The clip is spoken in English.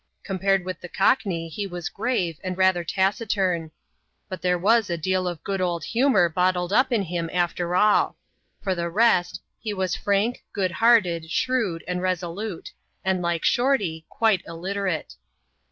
Compared with the Cockney, he was grave, and rather taciturn ; but there was a deal of good old humour bottled up in him, after all. For the rest, he was frank, good hearted, shrewd, and resolute; and, like Shorty, quite illiterate.